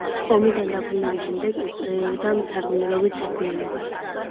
ომიდან დაბრუნების შემდეგ ეწეოდა მთარგმნელობით საქმიანობას.